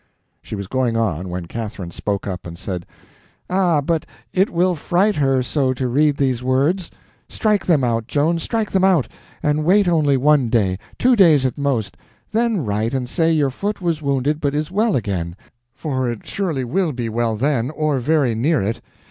She was going on, when Catherine spoke up and said: "Ah, but it will fright her so to read these words. Strike them out, Joan, strike them out, and wait only one day—two days at most—then write and say your foot was wounded but is well again—for it surely be well then, or very near it.